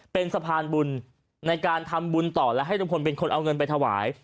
เป็นสะพานบุญในการทำบุญต่อและให้ลุงพลเป็นคนเอาเงินไปถวาย